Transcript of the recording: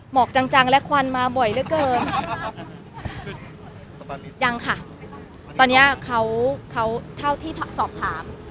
หมอกจังและควันมาบ่อยเหลือเกินอย่างค่ะตอนนี้เขาเขาเท่าที่สอบถาม